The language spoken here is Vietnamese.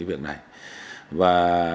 cái việc này và